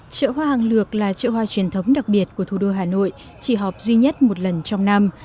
chợ hoa hàng lược là chợ hoa truyền thống đặc biệt của thủ đô hà nội chỉ họp duy nhất một lần trong năm